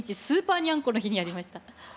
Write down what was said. スーパーにゃんこの日にやりました。